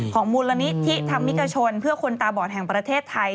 ของมูลนิษฐ์ที่ทำมิกชนเพื่อคนตาบอดแห่งประเทศไทย